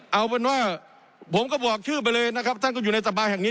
เอาเป็นว่าผมก็บอกชื่อไปเลยนะครับท่านก็อยู่ในสภาแห่งนี้